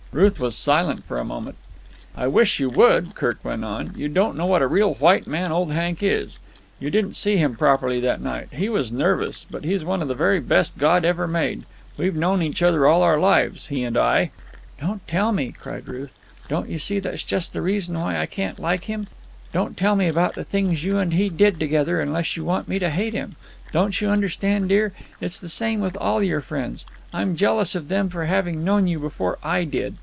Ruth was silent for a moment. "I wish you would," Kirk went on. "You don't know what a real white man old Hank is. You didn't see him properly that night. He was nervous. But he's one of the very best God ever made. We've known each other all our lives. He and I——" "Don't tell me!" cried Ruth. "Don't you see that that's just the reason why I can't like him? Don't tell me about the things you and he did together, unless you want me to hate him. Don't you understand, dear? It's the same with all your friends. I'm jealous of them for having known you before I did.